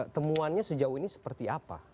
temuannya sejauh ini seperti apa